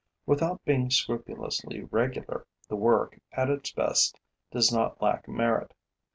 Without being scrupulously regular, the work, at its best, does not lack merit.